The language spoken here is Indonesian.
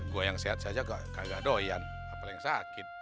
gue yang sehat saja kagak doyan apa yang sakit